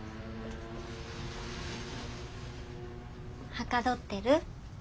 はかどってる？